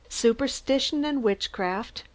SUPERSTITION AND WITCHCRAFT.